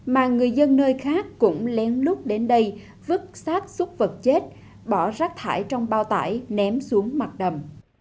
mà người dân nơi khác cũng lén lút đến đây vứt sát súc vật chết bỏ rác thải trong bao tải ném xuống mặt đầm